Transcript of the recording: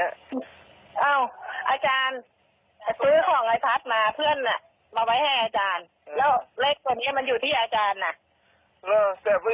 แล้วจะดูมันเป็นจริงจริงหรือเปล่าเนี้ยเพื่อนเนี้ยแผงของไอพัฒน์